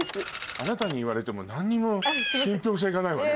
あなたに言われても何にも信ぴょう性がないわね。